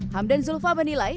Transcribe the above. hamdan zulfa menilai